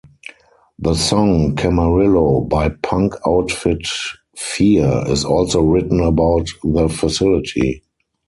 The song "Camarillo" by punk outfit Fear is also written about the facility.